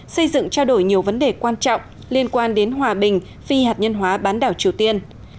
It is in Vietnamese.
xây dựng trao đổi nhiều vấn đề quan trọng liên quan đến hòa bình phi hạt nhân hóa bán đảo triều tiên